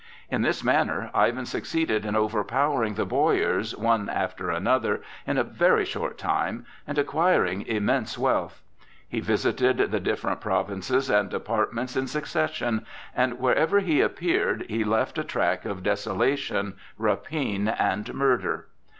In this manner Ivan succeeded in overpowering the boyars, one after another, in a very short time, and acquiring immense wealth. He visited the different provinces and departments in succession, and wherever he appeared he left a track of desolation, rapine, and murder.